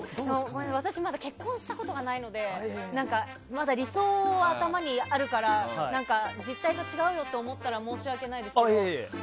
私まだ結婚したことがないのでまだ理想は頭にあるから実態と違うよと思ったら申し訳ないですけど。